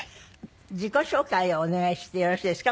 自己紹介をお願いしてよろしいですか？